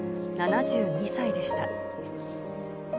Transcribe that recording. ７２歳でした。